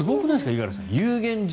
五十嵐さん。